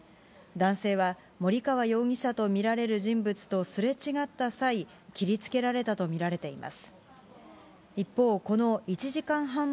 男性は森川容疑者と見られる人物とすれ違った際、切りつけられたと見られています。